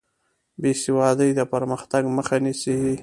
بېسوادي د پرمختګ مخه نیسي.